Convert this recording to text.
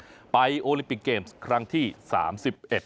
ก็อย่าลืมให้กำลังใจเมย์ในรายการต่อไปนะคะ